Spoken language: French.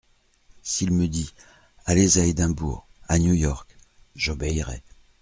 S'il me dit : Allez à Edimbourg, à New York, j'obéirai.